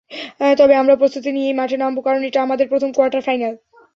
তবে আমরাও প্রস্তুতি নিয়েই মাঠে নামব, কারণ এটা আমাদের প্রথম কোয়ার্টার ফাইনাল।